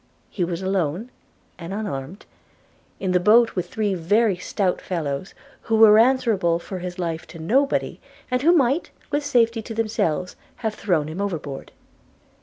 He was alone, and unarmed, in the boat with three very stout fellows, who were answerable for his life to nobody, and who might, with safety to themselves, have thrown him overboard.